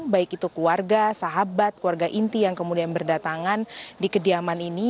baik itu keluarga sahabat keluarga inti yang kemudian berdatangan di kediaman ini